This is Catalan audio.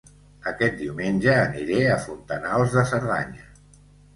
Aquest diumenge aniré a Fontanals de Cerdanya